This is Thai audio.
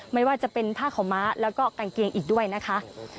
ไม่ว่าจะเป็นผ้าขาวม้าแล้วก็กางเกงอีกด้วยนะคะ